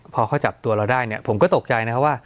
พอเขาจับตัวเราได้เนี่ยผมก็ตกใจนะครับว่า